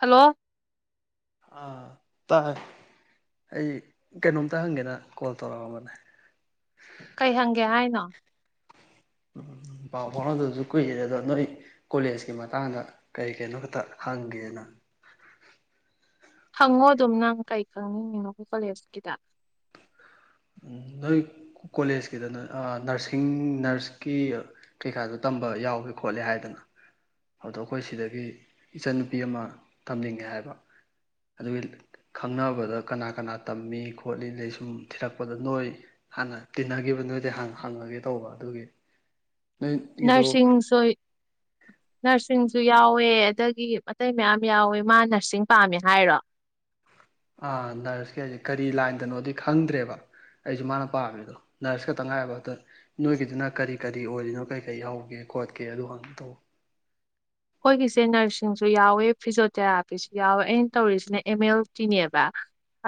hello ꯑꯥ ꯇꯥꯏ ꯑꯩ ꯀꯩꯅꯣꯝꯇ ꯍꯪꯒꯦꯅ ꯀꯣꯜ ꯇꯧꯔꯛꯑꯝꯕꯅꯦ ꯀꯩ ꯍꯪꯒꯦ ꯍꯥꯏꯅꯣ ꯎꯝ ꯄꯥꯎ ꯐꯥꯎꯅꯗꯁꯨ ꯀꯨꯏꯔꯦ ꯑꯗꯣ ꯅꯣꯏ ꯀꯣꯂꯦꯖꯀꯤ ꯃꯇꯥꯡꯗ ꯀꯔꯤ ꯀꯩꯅꯣ ꯈꯛꯇ ꯍꯪꯒꯦꯅ ꯍꯪꯉꯣ ꯑꯗꯨꯝ ꯅꯪ ꯀꯩ ꯈꯪꯅꯤꯡꯉꯤꯅꯣ ꯀꯣꯂꯦꯖꯀꯤꯗ ꯅꯣꯏ ꯀꯣꯂꯦꯖꯀꯤꯗꯅ‌ꯦ ꯅꯔꯁꯤꯡ ꯅꯔꯁꯒꯤ ꯀꯩꯀꯥꯗꯣ ꯇꯝꯕ ꯌꯥꯎꯑꯦ ꯈꯣꯠꯂꯦ ꯍꯥꯏꯗꯅ ꯑꯗꯣ ꯑꯩꯈꯣꯏ ꯁꯤꯗꯒꯤ ꯏꯆꯟꯅꯨꯄꯤ ꯑꯃ ꯇꯝꯅꯤꯡꯉꯦ ꯍꯥꯏꯕ ꯑꯗꯨꯒꯤ ꯈꯪꯅꯕꯗ ꯀꯅꯥ ꯀꯅꯥ ꯇꯝꯃꯤ ꯈꯣꯠꯂꯤ ꯑꯗꯩ ꯁꯨꯝ ꯊꯤꯔꯛꯄꯗ ꯅꯣꯏ ꯍꯥꯟꯅ ꯇꯤꯟꯅꯈꯤꯕ ꯅꯣꯏꯗ ꯍꯥꯟꯅ ꯍꯪꯉꯒꯦ ꯇꯧꯕ ꯑꯗꯨꯒꯤ ꯅꯣꯏꯒꯤꯗꯣ ꯅꯔꯁꯤꯡ ꯁꯣꯏ ꯅꯔꯁꯤꯡꯁꯨ ꯌꯥꯎꯋꯦ ꯑꯗꯒꯤ ꯑꯇꯩ ꯃꯌꯥꯝ ꯌꯥꯎꯋꯦ ꯃꯥ ꯅꯔꯁꯤꯡ ꯄꯥꯝꯃꯦ ꯍꯥꯏꯔꯣ ꯑꯥ ꯅꯔꯁꯀꯤ ꯍꯥꯏꯁꯦ ꯀꯔꯤ ꯂꯥꯏꯟꯗꯅꯣꯗꯤ ꯈꯪꯗ꯭ꯔꯦꯕ ꯑꯩꯁꯨ ꯃꯥꯅ ꯄꯥꯝꯃꯤꯗꯣ ꯅꯔꯁ ꯈꯇꯪ ꯉꯍꯥꯏꯕ ꯑꯗ ꯅꯣꯏꯒꯤꯗꯨꯅ ꯀꯔꯤ ꯀꯔꯤ ꯑꯣꯏꯔꯤꯅꯣ ꯀꯔꯤ ꯀꯔꯤ ꯌꯥꯎꯒꯦ ꯈꯣꯠꯀꯦ ꯑꯗꯨ ꯍꯪꯒꯦ ꯇꯧꯕ ꯑꯈꯣꯏꯒꯤꯁꯦ ꯅꯔꯁꯤꯡꯁꯨ ꯌꯥꯎꯋꯦ ꯐꯤꯖꫭꯊꯦꯔꯥꯄꯤꯁꯨ ꯌꯥꯎꯋꯦ ꯑꯩꯅ ꯇꯧꯔꯤꯁꯤꯅ ꯑꯦꯝ ꯑꯦꯜ ꯇꯤꯅꯦꯕ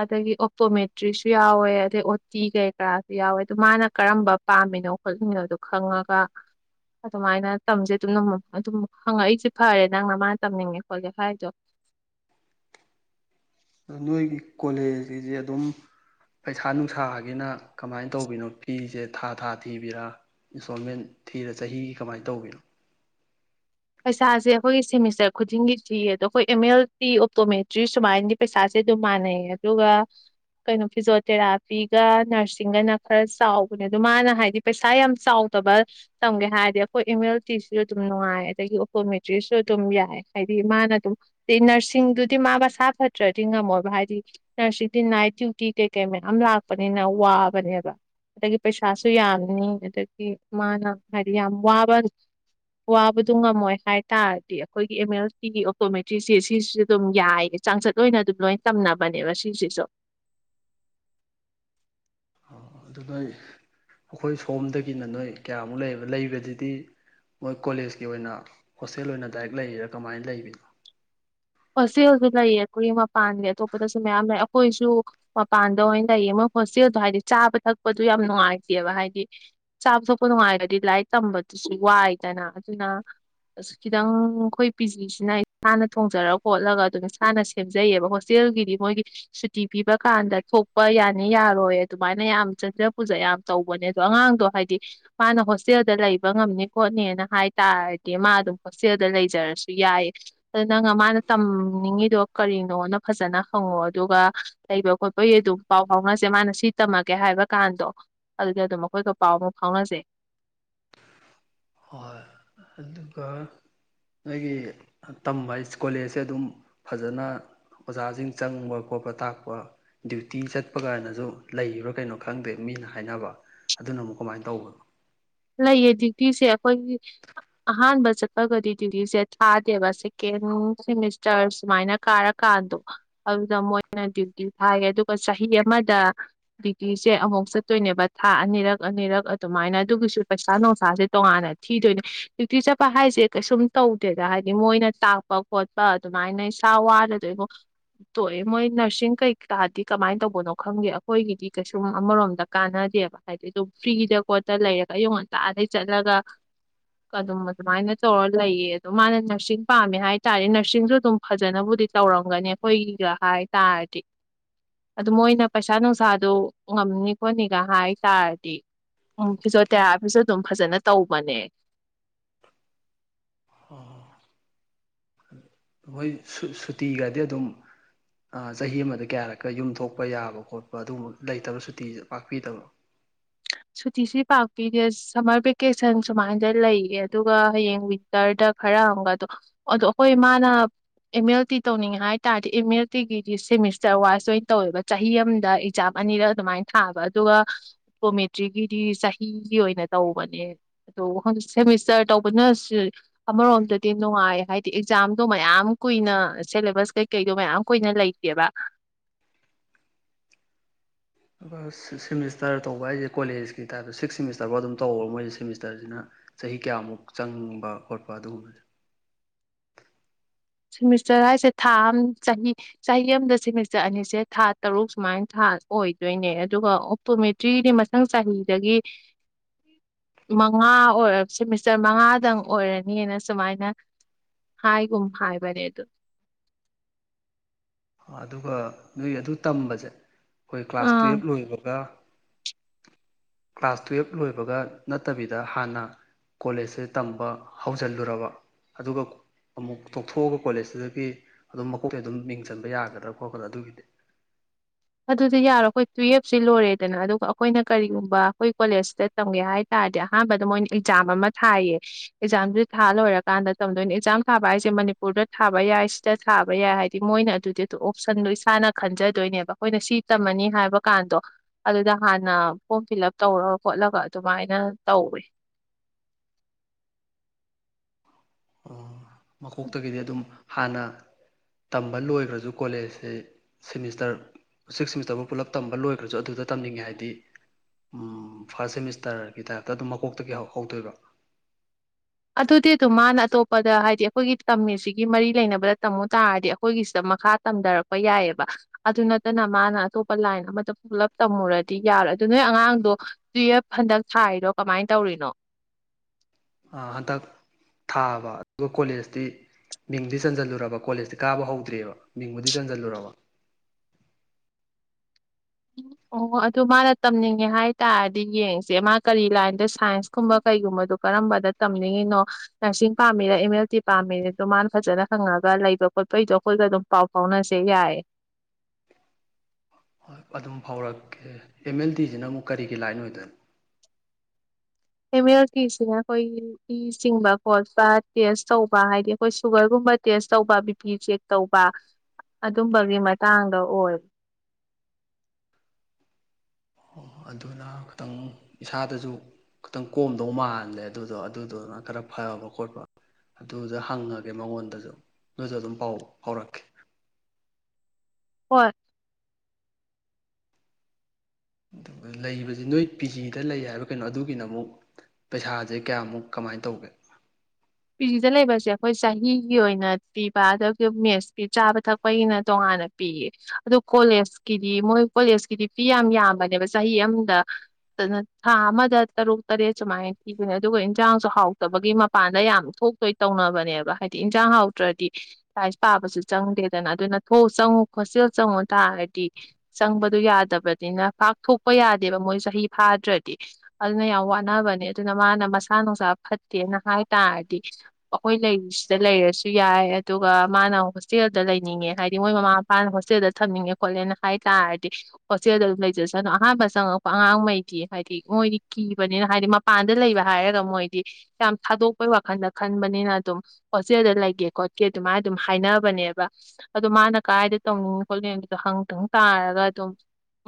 ꯑꯗꯒꯤ ꯑꯣꯞꯇꯣꯃꯦꯇ꯭ꯔꯤꯁꯨ ꯌꯥꯎꯋꯦ ꯑꯗꯩ ꯑꯣ ꯇꯤ ꯀꯩꯀꯔꯥꯁꯨ ꯌꯥꯎꯋꯦ ꯑꯗꯨ ꯃꯥꯅ ꯀꯔꯝꯕ ꯄꯥꯝꯃꯤꯅꯣ ꯈꯣꯠꯂꯤꯅꯣꯗ ꯈꯪꯉꯒ ꯑꯗꯨꯃꯥꯏꯅ ꯇꯝꯁꯦ ꯑꯗꯨꯝꯅ ꯑꯃꯛ ꯑꯗꯨꯝ ꯍꯪꯉꯛꯏꯁꯦ ꯐꯔꯦ ꯅꯪꯅ ꯃꯥꯅ ꯇꯝꯅꯤꯡꯉꯦ ꯈꯣꯠꯂꯦ ꯍꯥꯏꯗꯣ ꯗꯨ ꯅꯣꯏꯒꯤ ꯀꯣꯂꯦꯖꯒꯤꯗꯤ ꯑꯗꯨꯝ ꯄꯩꯁꯥ ꯅꯨꯡꯁꯥꯒꯤꯅ ꯀꯃꯥꯏꯅ ꯇꯧꯕꯤꯅꯣ ꯐꯤꯁꯦ ꯊꯥ ꯊꯥ ꯊꯤꯕꯤꯔꯥ ꯏꯟꯁꯇꯣꯜꯃꯦꯟ ꯊꯤꯔ ꯆꯍꯤꯒꯤ ꯀꯃꯥꯏꯅ ꯇꯧꯕꯤꯅꯣ ꯄꯩꯁꯥꯁꯦ ꯑꯈꯣꯏꯒꯤ ꯁꯦꯃꯤꯁꯇꯔ ꯈꯨꯗꯤꯡꯒꯤ ꯊꯤꯌꯦ ꯑꯗꯣ ꯑꯈꯣꯏ ꯑꯦꯝ ꯑꯦꯜ ꯇꯤ ꯑꯣꯞꯇꯣꯃꯦꯇ꯭ꯔꯤ ꯁꯨꯃꯥꯏꯅꯗꯤ ꯄꯩꯁꯥꯁꯦ ꯑꯗꯨꯝ ꯃꯥꯟꯅꯩꯌꯦ ꯑꯗꯨꯒ ꯀꯩꯅꯣ ꯐꯤꯖꯣꯊꯦꯔꯥꯄꯤꯒ ꯅꯔꯁꯤꯡꯒꯅ ꯈꯔ ꯆꯥꯎꯕꯅꯦ ꯑꯗꯣ ꯃꯥꯅ ꯍꯥꯏꯗꯤ ꯄꯩꯁꯥ ꯌꯥꯝꯅ ꯆꯥꯎꯗꯕ ꯇꯝꯒꯦ ꯍꯥꯏꯔꯗꯤ ꯑꯩꯈꯣꯏ ꯑꯦꯝ ꯑꯦꯜ ꯇꯤꯁꯨ ꯑꯗꯨꯝ ꯅꯨꯡꯉꯥꯏꯌꯦ ꯑꯗꯒꯤ ꯑꯣꯇꯣꯃꯦꯇ꯭ꯔꯤꯁꯨ ꯑꯗꯨꯝ ꯌꯥꯏ ꯍꯥꯏꯗꯤ ꯃꯥꯅ ꯑꯗꯨꯝ ꯑꯦ ꯅꯔꯁꯤꯡꯗꯨꯗꯤ ꯃꯥ ꯃꯁꯥ ꯐꯠꯇ꯭ꯔꯗꯤ ꯉꯝꯃꯣꯏꯕ ꯍꯥꯏꯗꯤ ꯅꯔꯁꯤꯡꯗꯤ ꯅꯥꯏꯠ ꯗ꯭ꯌꯨꯇꯤ ꯀꯩꯀꯩ ꯃꯌꯥꯝ ꯂꯥꯛꯄꯅꯤꯅ ꯋꯥꯕꯅꯦꯕ ꯑꯗꯒꯤ ꯄꯩꯁꯥꯁꯨ ꯌꯥꯝꯅꯤ ꯑꯗꯒꯤ ꯃꯥꯅ ꯍꯥꯏꯗꯤ ꯌꯥꯝ ꯋꯥꯕ ꯋꯥꯕ ꯑꯗꯨ ꯉꯝꯃꯣꯏ ꯍꯥꯏꯇꯥꯥꯔꯗꯤ ꯑꯩꯈꯣꯏꯒꯤ ꯑꯦꯝ ꯑꯦꯜ ꯇꯤꯒꯤ ꯑꯣꯇꯣꯃꯦꯇ꯭ꯔꯤꯁꯦ ꯁꯤꯁꯤꯁꯨ ꯑꯗꯨꯝ ꯌꯥꯏꯌꯦ ꯆꯥꯡꯆꯠ ꯑꯣꯏꯅ ꯑꯗꯨꯝ ꯂꯣꯏ ꯇꯝꯅꯕꯅꯦꯕ ꯁꯤꯁꯤꯁꯨ ꯑꯗꯨꯒ ꯑꯩ ꯑꯈꯣꯏ ꯁꯣꯝꯗꯒꯤꯅ ꯅꯣꯏ ꯀꯌꯥꯃꯨꯛ ꯂꯩꯕ ꯂꯩꯕꯗꯨꯗꯤ ꯃꯣꯏ ꯀꯣꯂꯦꯖꯀꯤ ꯑꯣꯏꯅ ꯍꯣꯁꯇꯦꯜ ꯑꯣꯏꯅ ꯗꯥꯏꯔꯦꯛ ꯂꯩꯔꯤꯔꯥ ꯀꯃꯥꯏꯅ ꯂꯩꯕꯤꯅꯣ ꯍꫭꯁꯇꯦꯜꯁꯨ ꯂꯩꯏ ꯑꯈꫭꯏ [unintelligible] ꯄꯥꯟꯒꯦ ꯑꯇꯣꯞꯄꯗꯁꯨ ꯃꯌꯥꯝ ꯃꯌꯥꯝ ꯑꯈꯣꯏꯁꯨ ꯃꯄꯥꯟꯗ ꯑꯣꯏꯅ ꯂꯩꯌꯦ ꯃꯣꯏ ꯍꯣꯁꯇꯦꯜꯗꯣ ꯍꯥꯏꯗꯤ ꯆꯥꯕ ꯊꯛꯄꯗ ꯌꯥꯝ ꯅꯨꯡꯉꯥꯏꯇꯦꯕ ꯍꯥꯏꯗꯤ ꯆꯥꯕ ꯊꯛꯄ ꯅꯨꯡꯉꯥꯏꯇ꯭ꯔꯗꯤ ꯂꯥꯏꯔꯤꯛ ꯇꯝꯕꯗꯨꯁꯨ ꯋꯥꯏꯗꯅ ꯑꯗꯨꯅ ꯑ ꯈꯤꯇꯪ ꯑꯩꯈꯣꯏ ꯄꯤ ꯖꯤꯁꯤꯅ ꯏꯁꯥꯅ ꯊꯣꯡꯖꯔ ꯈꯣꯠꯂꯒ ꯑꯗꯨꯝ ꯏꯁꯥꯅ ꯁꯦꯝꯖꯩꯌꯦꯕ ꯍꯣꯁꯇꯦꯜꯒꯤꯗꯤ ꯃꯣꯏꯒꯤ ꯁꯨꯇꯤ ꯄꯤꯕ ꯀꯥꯟꯗ ꯊꯣꯛꯄ ꯌꯥꯅꯤ ꯌꯥꯔꯣꯏ ꯑꯗꯨꯃꯥꯏꯅ ꯌꯥꯝ ꯖꯟꯖ ꯄꯨꯖꯥ ꯌꯥꯝ ꯇꯧꯕꯅꯦ ꯑꯗꯣ ꯑꯉꯥꯡꯗꯣ ꯍꯥꯏꯗꯤ ꯃꯥꯅ ꯍꯣꯁꯇꯦꯜꯗ ꯂꯩꯕ ꯉꯝꯅꯤ ꯈꯣꯠꯅꯤꯅ ꯍꯥꯏꯇꯥꯥꯔꯗꯤ ꯃꯥ ꯑꯗꯨꯝ ꯍꯣꯁꯇꯦꯜꯗ ꯂꯩꯖꯔꯁꯨ ꯌꯥꯏ ꯑꯗꯨ ꯅꯪꯅ ꯃꯥꯅ ꯇꯝꯅꯤꯡꯉꯤꯗꯣ ꯀꯔꯤꯅꯣꯅ ꯐꯖꯅ ꯍꯪꯉꯣ ꯑꯗꯨꯒ ꯂꯩꯕ ꯈꯣꯠꯄꯒꯤ ꯑꯗꯨꯝ ꯄꯥꯎ ꯐꯥꯎꯅꯁꯦ ꯃꯥꯅ ꯁꯤ ꯇꯝꯃꯒꯦ ꯍꯥꯏꯕꯀꯥꯟꯗꯣ ꯑꯗꯨꯗ ꯑꯗꯨꯝ ꯑꯈꯣꯏꯒ ꯄꯥꯎ ꯑꯃꯨꯛ ꯐꯥꯎꯅꯖꯦ ꯍꯣꯏ ꯑꯗꯨꯒ ꯅꯣꯏꯒꯤ ꯇꯝꯕ ꯍꯥꯏ ꯀꯣꯂꯦꯖꯁꯦ ꯑꯗꯨꯝ ꯐꯖꯅ ꯑꯣꯖꯥꯁꯤꯡ ꯆꯪꯕ ꯈꯣꯠꯄ ꯇꯥꯛꯄ ꯗ꯭ꯌꯨꯇꯤ ꯆꯠꯄ ꯀꯥꯏꯅꯁꯨ ꯂꯩꯕ꯭ꯔꯥ ꯀꯩꯅꯣ ꯈꯪꯗꯦ ꯃꯤꯅ ꯍꯥꯏꯅꯕ ꯑꯗꯨꯅ ꯑꯃꯨꯛ ꯀꯃꯥꯏꯅ ꯇꯧꯕꯅꯣ ꯂꯩꯌꯦ ꯗ꯭ꯌꯨꯇꯤꯁꯦ ꯑꯈꯣꯏꯒꯤ ꯑꯍꯥꯟꯕ ꯆꯠꯄꯒꯗꯤ ꯗ꯭ꯌꯨꯇꯤꯁꯦ ꯊꯥꯗꯦꯕ ꯁꯦꯀꯦꯟ ꯁꯦꯃꯤꯁꯇꯔ ꯁꯨꯃꯥꯏꯅ ꯀꯥꯔꯀꯥꯟꯗꯣ ꯑꯗꯨꯗ ꯃꯣꯏꯅ ꯗ꯭ꯌꯨꯇꯤ ꯊꯥꯏꯌꯦ ꯑꯗꯨꯒ ꯆꯍꯤ ꯑꯃꯗ ꯗ꯭ꯌꯨꯇꯤꯁꯦ ꯑꯃꯨꯛ ꯆꯠꯇꯣꯏꯅꯦꯕ ꯊꯥ ꯑꯅꯤꯔꯛ ꯑꯅꯤꯔꯛ ꯑꯗꯨꯃꯥꯏꯅ ꯑꯗꯨꯒꯤꯁꯨ ꯄꯩꯁꯥ ꯅꯨꯡꯁꯥꯁꯦ ꯇꯣꯉꯥꯟꯅ ꯊꯤꯗꯣꯏꯅꯦ ꯗ꯭ꯌꯨꯇꯤ ꯆꯠꯄ ꯍꯥꯏꯁꯦ ꯀꯩꯁꯨꯝ ꯇꯧꯗꯦꯗ ꯍꯥꯏꯗꯤ ꯃꯣꯏꯅ ꯇꯥꯛꯄ ꯈꯣꯠꯄ ꯑꯗꯨꯃꯥꯏꯅꯦ ꯏꯁꯥ ꯋꯥꯗ [unintelligible] ꯗꯣꯏ ꯇꯣꯛꯑꯦ ꯃꯣꯏ ꯅꯔꯁꯤꯡ ꯀꯩꯀꯥꯗꯤ ꯀꯃꯥꯏꯅ ꯇꯧꯕꯅꯣ ꯈꯪꯗꯦ ꯑꯈꯣꯏꯒꯤꯗꯤ ꯀꯩꯁꯨꯝ ꯑꯃꯔꯣꯝꯗ ꯀꯥꯟꯅꯗꯦꯕ ꯍꯥꯏꯗꯤ ꯑꯗꯨꯝ ꯐ꯭ꯔꯤꯗ ꯈꯣꯠꯇ ꯂꯩꯌꯦ ꯑꯌꯨꯛ ꯉꯥꯟꯟꯇꯥꯗꯩ ꯆꯠꯂꯒ ꯑꯗꯨꯝ ꯑꯗꯨꯃꯥꯏꯅ ꯇꯧꯔ ꯂꯩꯌꯦ ꯑꯗꯣ ꯃꯥꯅ ꯅꯔꯁꯤꯡ ꯄꯥꯝꯃꯦ ꯍꯥꯏꯇꯥꯥꯔꯗꯤ ꯅꯔꯁꯤꯡꯁꯨ ꯑꯗꯨꯝ ꯐꯖꯅꯕꯨꯗꯤ ꯇꯧꯔꯝꯒꯅꯤ ꯑꯈꯣꯏꯒꯤꯒ ꯍꯥꯏ ꯇꯥꯔꯗꯤ ꯑꯗꯨ ꯃꯣꯏꯅ ꯄꯩꯁꯥ ꯅꯨꯡꯁꯥꯗꯨ ꯉꯝꯅꯤ ꯈꯣꯠꯅꯤꯒ ꯍꯥꯏ ꯇꯥꯔꯗꯤ ꯎꯝ ꯏꯆꯠ ꯇꯌꯥꯕꯤꯁꯨ ꯑꯗꯨꯝ ꯐꯖꯅ ꯇꯧꯕꯅꯦ ꯃꫭꯏ ꯁꯨ ꯁꯨꯇꯤꯒꯗꯤ ꯑꯗꯨꯝ ꯆꯍꯤ ꯑꯃꯗ ꯀꯌꯥꯔꯛꯀ ꯌꯨꯝ ꯊꯣꯛꯄ ꯌꯥꯕ ꯈꯣꯠꯄ ꯑꯗꯨꯒꯨꯝꯕ ꯂꯩꯇꯕ ꯁꯨꯇꯤꯁꯦ ꯄꯥꯛ ꯄꯤꯗꯕ ꯁꯨꯇꯤꯁꯤ ꯄꯥꯛꯄꯤꯗꯦ ꯁꯝꯃꯔ ꯚꯦꯀꯦꯁꯟ ꯁꯨꯃꯥꯏꯗ ꯂꯩꯌꯦ ꯑꯗꯨꯒ ꯍꯌꯦꯡ ꯋꯤꯟꯇꯔꯗ ꯈꯔ ꯑꯃꯒꯗꯣ ꯑꯗꯣ ꯑꯩꯈꯣꯏ ꯃꯥꯅ ꯑꯦꯝ ꯑꯦꯜ ꯇꯤ ꯇꯧꯅꯤꯡꯉꯦ ꯍꯥꯏꯇꯥꯥꯔꯗꯤ ꯑꯦꯝ ꯑꯦꯜ ꯇꯤꯒꯤꯗꯤ ꯁꯦꯃꯤꯁꯇꯔ ꯋꯥꯏꯁꯇ ꯑꯣꯏꯅ ꯇꯧꯋꯦꯕ ꯆꯍꯤ ꯑꯃꯗ ꯑꯦꯛꯖꯥꯝ ꯑꯅꯤꯔꯛ ꯑꯗꯨꯃꯥꯏꯅ ꯊꯥꯕ ꯑꯗꯨꯒ ꯑꫭꯞꯇꫭꯃꯦ ꯇ꯭ꯔꯤꯒꯤꯗꯤ ꯆꯍꯤꯒꯤ ꯑꯣꯏꯅ ꯇꯧꯕꯅꯦ ꯑꯗꯣ ꯍꯪ ꯁꯦꯃꯤꯁꯇꯔ ꯇꯧꯕꯅꯁꯨ ꯑꯃꯔꯣꯝꯗꯗꯤ ꯅꯨꯡꯉꯥꯏ ꯍꯥꯏꯗꯤ ꯑꯦꯛꯖꯥꯝꯗꯣ ꯃꯌꯥꯝ ꯀꯨꯏꯅ ꯁꯦꯂꯦꯕꯁ ꯀꯩꯀꯩꯗꯣ ꯃꯌꯥꯝ ꯀꯨꯏꯅ ꯂꯩꯇꯦꯕ [unintelligible] ꯁꯦꯃꯤꯁꯇꯔ ꯇꯧꯕ ꯍꯥꯏꯁꯦ ꯀꯣꯂꯦꯖꯀꯤ ꯇꯥꯏꯞꯇ ꯁꯤꯛꯁ ꯁꯦꯃꯤꯁꯇꯔ ꯕꯥꯎ ꯑꯗꯨꯝ ꯇꯧꯔꯕ ꯃꯣꯏꯁꯦ ꯁꯦꯃꯤꯁꯇꯔꯁꯤꯅ ꯆꯍꯤ ꯀꯌꯥꯃꯨꯛ ꯆꯪꯕ ꯈꯣꯠꯄ ꯑꯗꯨꯒꯨꯝꯕ ꯁꯦꯃꯤꯁꯇꯔ ꯍꯥꯏꯁꯦ ꯊꯥ ꯑꯝ ꯆꯍꯤ ꯆꯍꯤ ꯑꯃꯗ ꯁꯦꯃꯤꯁꯇꯔ ꯑꯅꯤꯁꯦ ꯊꯥ ꯇꯔꯨꯛ ꯁꯨꯃꯥꯏꯅ ꯊꯥ ꯑꯣꯏꯗꯣꯏꯅꯦ ꯑꯗꯨꯒ ꯑꯣꯞꯇꯣꯃꯦꯇ꯭ꯔꯤꯗꯤ ꯃꯊꯪ ꯆꯍꯤꯗꯒꯤ ꯃꯉꯥ ꯑꯣꯏꯔ ꯁꯦꯃꯤꯁꯇꯔ ꯃꯉꯥꯗꯪ ꯑꯣꯏꯔꯅꯤꯅ ꯁꯨꯃꯥꯏꯅ ꯍꯥꯏꯒꯨꯝ ꯍꯥꯏꯕ ꯃꯔꯦ ꯗꯨ ꯑꯗꯨꯒ ꯅꯣꯏ ꯑꯗꯨ ꯇꯝꯕꯁꯦ ꯍꯣꯏ ꯀ꯭ꯂꯥꯁ ꯑꯥ ꯇꯨꯌꯦꯞ ꯂꯣꯏꯕꯒ ꯀ꯭ꯂꯥꯁ ꯇꯨꯌꯦꯜꯞ ꯂꯣꯏꯕꯒ ꯅꯠꯇꯕꯤꯗ ꯍꯥꯟꯅ ꯀꯣꯂꯦꯖꯁꯤ ꯇꯝꯕ ꯍꯧꯖꯤꯜꯂꯨꯔꯕ ꯑꯗꯨꯒ ꯑꯃꯨꯛ ꯇꯣꯛꯊꯣꯛꯑꯒ ꯀꯣꯂꯦꯖꯇꯨꯗꯒꯤ ꯑꯗꯨꯝ ꯃꯈꯀꯣꯛꯇꯒꯤ ꯑꯗꯨꯝ ꯃꯤꯡ ꯆ ꯆꯟꯕ ꯌꯥꯒꯗ꯭ꯔꯥ ꯈꯣꯠꯀꯗ꯭ꯔꯥ ꯑꯗꯨꯒꯤꯗꯤ ꯑꯗꯨꯗꯤ ꯌꯥꯔꯣ ꯑꯩꯈꯣꯏ ꯇꯨꯌꯦꯜꯞꯁꯤ ꯂꯣꯏꯔꯦꯗꯅ ꯑꯗꯨꯒ ꯑꯩꯈꯣꯏꯅ ꯀꯔꯤꯒꯨꯝꯕ ꯑꯩꯈꯣꯏ ꯀꯣꯂꯦꯖꯇ ꯇꯝꯒꯦ ꯍꯥꯏ ꯇꯥꯔꯗꯤ ꯑꯍꯥꯟꯕꯗ ꯃꯣꯏꯅ ꯑꯦꯛꯖꯥꯝ ꯑꯃ ꯊꯥꯏꯌꯦ ꯑꯦꯛꯖꯥꯝꯗꯨ ꯊꯥ ꯂꯣꯏꯔꯀꯥꯟꯗ ꯇꯝꯗꯣꯏꯅꯦ ꯑꯦꯛꯖꯥꯝ ꯊꯥꯕ ꯍꯥꯏꯁꯦ ꯃꯅꯤꯄꯨꯔꯗ ꯊꯥꯕ ꯌꯥꯏ ꯁꯤꯗ ꯊꯥꯕ ꯌꯥꯏ ꯍꯥꯏꯗꯤ ꯃꯣꯏꯅ ꯑꯗꯨꯗꯤ ꯑꯗꯨ ꯑꯣꯞꯁꯟꯗꯣ ꯏꯁꯥꯅ ꯈꯟꯖꯗꯣꯏꯅꯦꯕ ꯑꯈꯣꯏꯅ ꯁꯤ ꯇꯝꯃꯅꯤ ꯍꯥꯏꯕꯀꯥꯟꯗꯣ ꯑꯗꯨꯗ ꯍꯥꯟꯅ ꯐꯣꯝ ꯐꯤꯜ ꯎꯞ ꯇꯧꯔꯒ ꯈꯣꯠꯂꯒ ꯑꯗꯨꯃꯥꯏꯅ ꯇꯧꯋꯦ ꯑꯣ ꯃꯀꯣꯛꯇꯒꯤꯗꯤ ꯑꯗꯨꯝ ꯍꯥꯟꯅ ꯇꯝꯕ ꯂꯣꯏꯒ꯭ꯔꯁꯨ ꯀꯣꯂꯦꯖꯁꯦ ꯁꯦꯃꯤꯁꯇꯔ ꯁꯤꯛꯁ ꯁꯦꯃꯤꯁꯇꯔꯕꯥꯎ ꯄꯨꯜꯂꯞ ꯇꯝꯕ ꯂꯣꯏꯈ꯭ꯔꯁꯨ ꯑꯗꯨꯗ ꯇꯝꯅꯤꯡꯉꯦ ꯍꯥꯏꯗꯤ ꯐꯥꯔꯁ ꯁꯦꯃꯤꯁꯇꯔꯒꯤ ꯇꯥꯏꯞꯇ ꯑꯗꯨꯝ ꯃꯀꯣꯛꯇꯒꯤ ꯍꯧꯗꯣꯏꯕ ꯑꯗꯨꯗꯤ ꯑꯗꯨ ꯃꯥꯅ ꯑꯇꯣꯞꯄꯗ ꯍꯥꯏꯗꯤ ꯑꯩꯈꯣꯏꯒꯤ ꯇꯝꯃꯤꯁꯤꯒꯤ ꯃꯔꯤ ꯂꯩꯅꯕꯗ ꯇꯝꯃꯨ ꯇꯥꯔꯗꯤ ꯑꯩꯈꯣꯏꯒꯤꯁꯤꯗ ꯃꯈꯥ ꯇꯝꯗꯔꯛꯄ ꯌꯥꯏꯑꯕ ꯑꯗꯨ ꯅꯠꯇꯅ ꯃꯥꯅ ꯑꯇꯣꯞꯄ ꯂꯥꯏꯟ ꯑꯃꯗ ꯄꯨꯂꯞ ꯇꯝꯃꯨꯔꯗꯤ ꯌꯥꯔꯣꯏ ꯑꯗꯨ ꯅꯣꯏ ꯑꯉꯥꯡꯗꯣ ꯇꯨꯌꯦꯞ ꯍꯟꯗꯛ ꯊꯥꯔꯤꯔꫭ ꯀꯃꯥꯏꯅ ꯇꯧꯔꯤꯅꯣ ꯑꯩ ꯍꯟꯗꯛ ꯊꯥꯕ ꯑꯗꯨꯒ ꯀꯣꯂꯦꯖꯇꯤ ꯃꯤꯡꯗꯤ ꯆꯟꯖꯜꯂꯨꯔꯕ ꯀꯣꯂꯦꯖꯇꯤ ꯀꯥꯕ ꯍꯧꯗ꯭ꯔꯤꯑꯕ ꯃꯤꯡꯕꯨꯗꯤ ꯆꯟꯖꯜꯂꯨꯔꯕ ꯑꯣ ꯑꯗꯨ ꯃꯥꯅ ꯇꯝꯅꯤꯡꯉꯦ ꯍꯥꯏ ꯇꯥꯔꯗꯤ ꯌꯦꯡꯁꯦ ꯃꯥ ꯀꯔꯤ ꯂꯥꯏꯟꯗ ꯁꯥꯏꯟꯁꯀꯨꯝꯕ ꯀꯩꯒꯨꯝꯕꯗꯣ ꯀꯔꯝꯕꯗ ꯇꯝꯅꯤꯡꯉꯤꯅꯣ ꯅꯔꯁꯤꯡ ꯄꯥꯝꯃꯤꯔ ꯑꯦꯝ ꯑꯦꯜ ꯇꯤ ꯄꯥꯝꯃꯤꯔꯗꯣ ꯃꯥꯅ ꯐꯖꯅ ꯍꯪꯉꯒ ꯂꯩꯕ ꯈꯣꯠꯄꯒꯤꯗꯣ ꯑꯩꯈꯣꯏꯗ ꯑꯗꯨꯝ ꯄꯥꯎ ꯐꯥꯎꯅꯁꯦ ꯌꯥꯏ ꯑꯗꯨꯝ ꯐꯥꯎꯔꯛꯀꯦ ꯑꯦꯝ ꯑꯦꯜ ꯗꯤꯁꯤꯅ ꯑꯃꯨꯛ ꯀꯔꯤꯒꯤ ꯂꯥꯏꯟ ꯑꯣꯏꯗꯣꯏꯅꯣ ꯑꯦꯝ ꯑꯦꯜ ꯇꯤꯁꯤꯅ ꯑꯩꯈꯣꯏꯒꯤ ꯏ ꯆꯤꯡꯕ ꯈꯣꯠꯄ ꯇꯦꯁ ꯇꯧꯕ ꯍꯥꯏꯗꯤ ꯑꯩꯈꯣꯏ ꯁꯨꯒꯔꯒꯨꯝꯕ ꯇꯦꯁ ꯇꯧꯕ ꯕꯤ ꯄꯤ ꯆꯦꯛ ꯇꯧꯕ ꯑꯗꯨꯝꯕꯒꯤ ꯃꯇꯥꯡꯗ ꯑꯣꯏ ꯑꯣ ꯑꯗꯨꯅ ꯈꯤꯇꯪ ꯏꯁꯥꯗꯁꯨ ꯈꯤꯇꯪ ꯀꯣꯝꯗꯧ ꯃꯥꯜꯂꯦ ꯑꯗꯨꯗꯣ ꯑꯗꯨꯗꯨꯅ ꯈꯔ ꯐꯕ ꯈꯣꯠꯄ ꯑꯗꯨꯗ ꯍꯪꯉꯒꯦ ꯃꯉꯣꯟꯗꯁꯨ ꯅꯣꯏꯁꯨ ꯑꯗꯨꯝ ꯄꯥꯎ ꯐꯥꯎꯔꯛꯀꯦ ꯍꯣꯏ ꯑꯗꯨꯒ ꯂꯩꯕꯁꯦ ꯅꯣꯏ ꯄꯤ ꯖꯤꯗ ꯂꯩ ꯍꯥꯏꯕ ꯀꯩꯅꯣ ꯑꯗꯨꯒꯤꯅ ꯑꯃꯨꯛ ꯄꯩꯁꯥꯁꯦ ꯀꯌꯥꯃꯨꯛ ꯀꯃꯥꯏꯅ ꯇꯧꯒꯦ ꯄꯤꯖꯤꯗ ꯂꯩꯕꯁꯦ ꯑꯩꯈꯣꯏ ꯆꯍꯤꯒꯤ ꯑꯣꯏꯅ ꯄꯤꯕ ꯑꯗꯨꯒ ꯃꯦꯠꯁꯀꯤ ꯆꯥꯕ ꯊꯛꯄꯒꯤꯅ ꯇꯣꯉꯥꯟꯅ ꯄꯤꯌꯦ ꯑꯗꯨ ꯀꯣꯂꯦꯖꯀꯤꯗꯤ ꯃꯣꯏ ꯀꯣꯂꯦꯖꯀꯤꯗꯤ ꯐꯤ ꯌꯥꯝ ꯌꯥꯝꯕꯅꯦꯕ ꯆꯍꯤ ꯑꯃꯗ ꯑꯗꯨꯅ ꯊꯥ ꯑꯃꯗ ꯇꯔꯨꯛ ꯇꯔꯦꯠ ꯁꯨꯃꯥꯏꯅ ꯊꯤꯕꯅꯦ ꯑꯗꯨꯒ ꯏꯟꯖꯥꯡꯁꯨ ꯍꯥꯎꯇꯕꯒꯤ ꯃꯄꯥꯟꯗ ꯌꯥꯝ ꯊꯣꯛꯇꯣꯏ ꯇꯧꯅꯕꯅꯦꯕ ꯍꯥꯏꯗꯤ ꯏꯟꯖꯥꯡ ꯍꯥꯎꯗ꯭ꯔꯗꯤ ꯂꯥꯏꯁ ꯄꯥꯕꯁꯨ ꯆꯪꯗꯦꯗꯅ ꯑꯗꯨꯅꯎ ꯆꯪꯉꯨ ꯈꯣꯆꯦꯜ ꯆꯪꯉꯨ ꯇꯥꯔꯗꯤ ꯆꯪꯕꯗ ꯌꯥꯗꯕꯅꯤꯅ ꯄꯥꯛ ꯊꯣꯛꯄ ꯌꯥꯗꯦꯕ ꯃꯣꯏ ꯆꯍꯤ ꯐꯥꯗ꯭ꯔꯗꯤ ꯑꯗꯨꯅ ꯌꯥꯝ ꯋꯥꯅꯕꯅꯦ ꯑꯗꯨꯅ ꯃꯥꯅ ꯃꯁꯥ ꯅꯨꯡꯁꯥ ꯐꯠꯇꯦꯅ ꯍꯥꯏ ꯇꯥꯔꯥꯗꯤ ꯍꯥꯏꯗꯤ ꯑꯩꯈꯣꯏ ꯂꯩꯔꯤꯁꯤꯗ ꯂꯩꯔꯁꯨ ꯌꯥꯏ ꯑꯗꯨꯒ ꯃꯥꯅ ꯍꯣꯁꯇꯦꯜꯗ ꯂꯩꯅꯤꯡꯉꯦ ꯍꯥꯏꯗꯤ ꯃꯣꯏ ꯃꯃꯥ ꯃꯄꯥꯅ ꯍꯣꯁꯇꯦꯜꯗ ꯊꯝꯅꯤꯡꯉꯦ ꯈꯣꯠꯂꯦꯅ ꯍꯥꯏꯇꯥꯥꯔꯗꯤ ꯍꯣꯁꯇꯦꯜꯗ ꯑꯗꯨꯝ ꯂꯩꯖꯁꯅꯨ ꯑꯍꯥꯟꯕ ꯆꯪꯉꯛꯄ ꯑꯉꯥꯡꯉꯩꯗꯤ ꯍꯥꯏꯗꯤ ꯃꯣꯏꯗꯤ ꯀꯤꯕꯅꯤꯅ ꯍꯥꯏꯗꯤ ꯃꯄꯥꯟꯗ ꯂꯩꯕ ꯍꯥꯏꯔꯒ ꯃꯣꯏꯗꯤ ꯌꯥꯝ ꯊꯥꯗꯣꯛꯄꯩ ꯋꯥ ꯈꯟꯗ ꯈꯟꯕꯅꯤꯅ ꯑꯗꯨꯝ ꯍꯣꯁꯇꯦꯜꯗ ꯂꯩꯒꯦ ꯈꯣꯠꯀꯦ ꯑꯗꯨꯃꯥꯏꯅ ꯑꯗꯨꯝ ꯍꯥꯏꯅꯕꯅꯦꯕ ꯑꯗꯣ ꯃꯥꯅ ꯀꯗꯥꯥꯏꯗ ꯇꯧꯅꯤꯡꯉꯤ ꯈꯣꯠꯅꯤꯡꯉ ꯑꯗꯨꯗꯣ ꯍꯪꯛꯇꯪ ꯇꯥꯔꯒ ꯑꯗꯨꯝ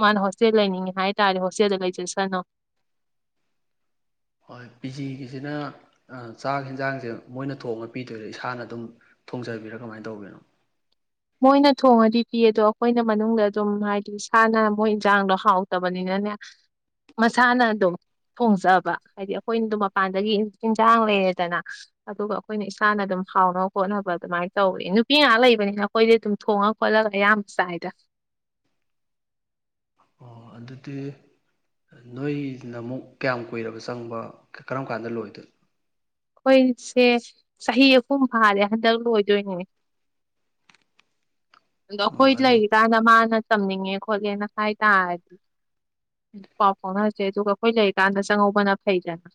ꯃꯥꯅ ꯍꯪꯆꯤꯠ ꯂꯩꯅꯤꯡꯉꯦ ꯍꯥꯏ ꯇꯥꯔꯗꯤ ꯍꯣꯁꯇꯦꯜꯗ ꯂꯩꯖꯁꯅꯨ ꯍꯣꯏ ꯄꯤ ꯖꯤꯒꯤꯁꯤꯅ ꯆꯥꯛ ꯌꯦꯟꯖꯥꯡꯁꯦ ꯃꯣꯏꯅ ꯊꯣꯡꯉ ꯄꯤꯗꯣꯏꯗ ꯏꯁꯥꯅ ꯑꯗꯨꯝ ꯊꯣꯡꯖꯕꯤꯔꯥ ꯀꯃꯥꯏꯅ ꯇꯧꯕꯤꯅꯣ ꯃꯣꯏꯅ ꯊꯣꯡꯉꯗꯤ ꯄꯤꯌꯦ ꯑꯗꯣ ꯑꯩꯈꯣꯏꯅ ꯃꯅꯨꯡꯗ ꯑꯗꯨꯝ ꯍꯥꯏꯗꯤ ꯏꯁꯥꯅ ꯃꯣꯏ ꯏꯟꯁꯥꯡꯗꯣ ꯍꯥꯎꯇꯕꯅꯤꯅꯅꯦ ꯃꯁꯥꯅ ꯑꯗꯨꯝ ꯊꯣꯡꯖꯕ ꯍꯥꯏꯗꯤ ꯑꯩꯈꯣꯏꯅ ꯑꯗꯨꯝ ꯃꯄꯥꯟꯗꯒꯤ ꯏꯟꯁꯥꯡ ꯂꯩꯔꯦꯗꯅ ꯑꯗꯨꯒ ꯑꯩꯈꯣꯏꯅ ꯏꯁꯥꯅ ꯑꯗꯨꯝ ꯍꯥꯎꯅꯕ ꯈꯣꯠꯅꯕ ꯑꯗꯨꯃꯥꯏꯅ ꯇꯧꯋꯦ ꯅꯨꯄꯤ ꯉꯥꯏꯍꯥꯛ ꯂꯩꯕꯅꯤꯅ ꯍꯣꯏꯗꯤ ꯑꯗꯨꯝ ꯊꯣꯡꯉ ꯈꯣꯠꯂꯒ ꯑꯌꯥꯝꯕ ꯆꯥꯏꯗ ꯑꯣ ꯑꯗꯨꯗꯤ ꯅꯣꯏꯅ ꯑꯃꯨꯛ ꯀꯌꯥꯝ ꯀꯨꯏꯔꯕ ꯆꯪꯕ ꯀꯔꯝ ꯀꯥꯟꯗ ꯂꯣꯏꯗꯣꯏ ꯑꯩꯈꯣꯏꯁꯦ ꯆꯍꯤ ꯑꯍꯨꯝ ꯐꯥꯔꯦ ꯍꯟꯗꯛ ꯂꯣꯏꯗꯣꯏꯅꯦ ꯑꯗꯣ ꯑꯥ ꯑꯈꯣꯏ ꯑꯗꯨ ꯂꯩꯔꯤ ꯀꯟꯗ ꯃꯥꯅ ꯇꯝꯅꯤꯡꯉꯦ ꯈꯣꯠꯂꯦꯅ ꯍꯥꯏ ꯇꯔꯗꯤ ꯄꯥꯎ ꯐꯥꯎꯅꯔꯁꯦ ꯑꯗꯨꯒ ꯑꯩꯈꯣꯏ ꯂꯩꯔꯤꯀꯥꯟꯗ ꯆꯪꯉꯧꯕꯅ ꯐꯩꯗꯅ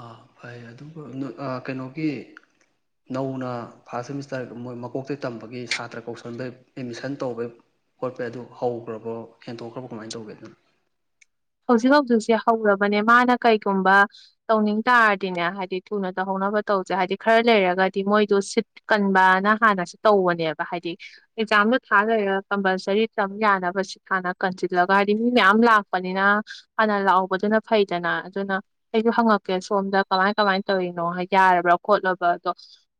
ꯑꯥ ꯐꯩ ꯑꯗꯨꯕꯨ ꯀꯩꯅꯣꯒꯤ ꯅꯧꯅ ꯐꯥꯔꯁ ꯁꯦꯃꯤꯁꯇꯔ ꯃꯣꯏ ꯃꯀꯣꯛꯇꯒꯤ ꯇꯝꯕꯒꯤ ꯁꯥꯇ꯭ꯔ ꯀꯧꯁꯟꯕꯩ ꯑꯦꯠꯃꯤꯁꯟ ꯇꯧꯕꯩ ꯈꯣꯠꯄꯩ ꯑꯗꯨ ꯍꯧꯈ꯭ꯔꯕꯣ ꯍꯦꯟꯗꯣꯛꯈ꯭ꯔꯕꯣ ꯀꯃꯥꯏꯅ ꯇꯧꯒꯦ ꯍꯧꯖꯤꯛ ꯍꯧꯖꯤꯛꯁꯦ ꯍꯧꯔꯕꯅꯦ ꯃꯥꯅ ꯀꯩꯒꯨꯝꯕ ꯇꯧꯅꯤꯡ ꯇꯥꯔꯗꯤꯅꯦ ꯍꯥꯏꯗꯤ ꯊꯨꯅ ꯇꯧꯍꯧꯅꯕ ꯇꯧꯁꯦ ꯍꯥꯏꯗꯤ ꯈꯔ ꯂꯩꯔꯒꯗꯤ ꯃꯣꯏꯗꯣ ꯁꯤꯠ ꯀꯟꯕꯅ ꯍꯥꯟꯅꯁꯨ ꯇꯧꯕꯅꯦꯕ ꯍꯥꯏꯗꯤ ꯑꯦꯛꯖꯥꯝꯗꯣ ꯊꯥ ꯂꯩꯔꯒ ꯀꯝꯄꯜꯁꯔꯤ ꯇꯝ ꯌꯥꯅꯕ ꯁꯤꯠ ꯍꯥꯟꯅ ꯀꯟꯁꯤꯜꯂꯒ ꯍꯥꯏꯗꯤ ꯃꯤ ꯃꯌꯥꯝ ꯂꯥꯛꯄ ꯅꯤꯅ ꯍꯥꯟꯅ ꯂꯥꯛꯍꯧꯕꯗꯨꯅ ꯐꯩꯗꯅ ꯑꯗꯨꯅ ꯑꯩꯁꯨ ꯍꯪꯉꯛꯀꯦ ꯁꯣꯝꯗ ꯀꯃꯥꯏ ꯀꯃꯥꯏꯅ ꯇꯧꯔꯤꯅꯣ ꯍꯥꯏ ꯌꯥꯔꯕ꯭ꯔꯥ ꯈꯣꯠꯂꯕ ꯑꯗꯣ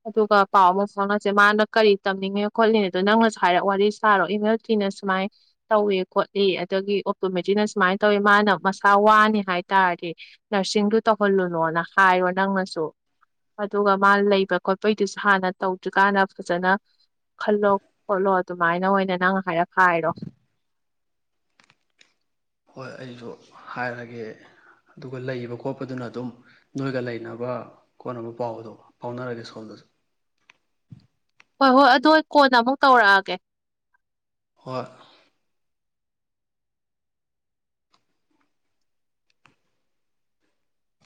ꯑꯗꯨꯒ ꯄꯥꯎ ꯑꯃ ꯐꯥꯎꯉꯁꯦ ꯃꯥꯅ ꯀꯔꯤ ꯇꯝꯅꯤꯡꯉꯦ ꯈꯣꯠꯅꯤꯡꯉꯦꯗꯣ ꯅꯪꯅꯁꯨ ꯍꯥꯏꯔ ꯋꯥꯔꯤ ꯁꯥꯔꯣ ꯏꯃꯦꯜ ꯊꯤꯅ ꯁꯨꯃꯥꯏꯅ ꯇꯧꯋ ꯈꯣꯠꯂꯤ ꯑꯗꯒꯤ ꯑꯣꯇꯣꯃꯦꯇꯤꯛꯅ ꯁꯨꯃꯥꯏꯅ ꯇꯧꯋꯤ ꯃꯥꯅ ꯃꯁꯥ ꯋꯥꯅꯤ ꯍꯥꯏꯇꯥꯥꯔꯗꯤ ꯅꯔꯁꯤꯡꯗꯨ ꯇꯧꯍꯜꯂꯨꯅꯣꯅ ꯍꯥꯏꯔꯣ ꯅꯪꯅꯁꯨ ꯑꯗꯨꯒ ꯃꯥꯅ ꯂꯩꯕ ꯈꯣꯠꯄꯩꯗꯨꯁꯨ ꯍꯥꯟꯅ ꯇꯧꯗ꯭ꯔꯤꯀꯥꯟꯗ ꯐꯖꯅ ꯈꯜꯂꯣ ꯈꯣꯠꯂꯣ ꯑꯗꯨꯃꯥꯏꯅ ꯑꯣꯏꯅ ꯅꯪ ꯍꯥꯏꯔ ꯍꯥꯏꯔꯣ ꯍꯣꯏ ꯑꯩꯁꯨ ꯍꯥꯏꯔꯒꯦ ꯑꯗꯨꯒ ꯂꯩꯕ ꯈꯣꯠꯄꯗꯨꯅ ꯑꯗꯨꯝ ꯅꯣꯏꯒ ꯂꯩꯅꯕ ꯈꯣꯠꯅꯕ ꯄꯥꯎꯗꯣ ꯐꯥꯎꯅꯔꯒꯦ ꯁꯣꯝꯗꯁꯨ ꯍꯣꯏ ꯍꯣꯏ ꯑꯗꯨ ꯑꯩ ꯀꯣꯟꯅꯥ ꯑꯃꯨꯛ ꯇꯧꯔꯛꯑꯒꯦ ꯍꯣꯏ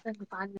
ꯅꯡ ꯅꯨꯄꯥꯅꯥ